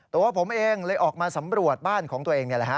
แต่ว่าผมเองเลยออกมาสำรวจบ้านของตัวเอง